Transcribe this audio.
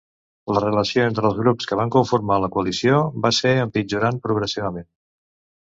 La relació entre els grups que van conformar la coalició va ser empitjorant progressivament.